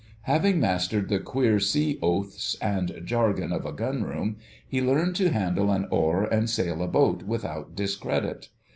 Having mastered the queer sea oaths and jargon of a Gunroom, he learned to handle an oar and sail a boat without discredit.